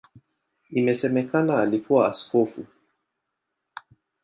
Inasemekana alikuwa askofu.